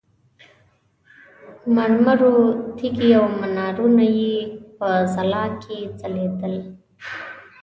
مرمرو تیږې او منارونه یې په ځلا کې ځلېدل.